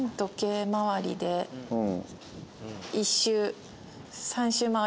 １周。